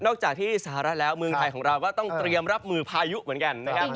จากที่สหรัฐแล้วเมืองไทยของเราก็ต้องเตรียมรับมือพายุเหมือนกันนะครับ